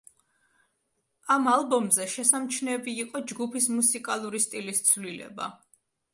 ამ ალბომზე შესამჩნევი იყო ჯგუფის მუსიკალური სტილის ცვლილება.